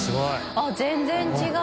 あっ全然違う◆